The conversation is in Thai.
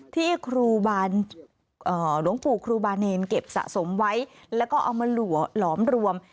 ที่ครูบาหลวงปู่ครูบาเนนเก็บสะสมไว้แล้วก็เอามาหลอมรวม